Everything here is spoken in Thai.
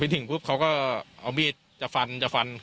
ถึงปุ๊บเขาก็เอามีดจะฟันจะฟัน